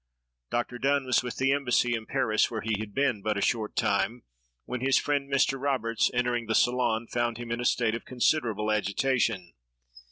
Dr. Donne was with the embassy in Paris, where he had been but a short time, when his friend Mr. Roberts, entering the salon, found him in a state of considerable agitation.